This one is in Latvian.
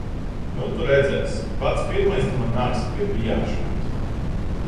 Nu tu redzēsi. Pats pirmais tu man nāksi pie bijāšanas.